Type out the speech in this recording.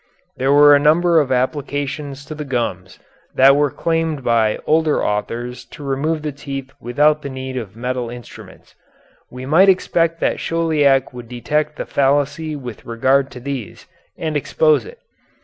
There were a number of applications to the gums that were claimed by older authors to remove the teeth without the need of metal instruments. We might expect that Chauliac would detect the fallacy with regard to these and expose it.